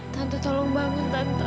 tante tolong bangun tante